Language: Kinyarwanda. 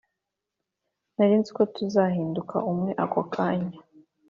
nari nzi ko tuzahinduka umwe ako kanya